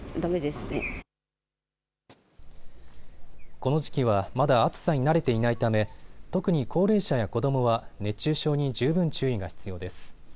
この時期はまだ暑さに慣れていないため特に高齢者や子どもは熱中症に十分注意が必要です。